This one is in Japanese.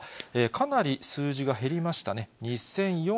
かなり数字が減りましたね。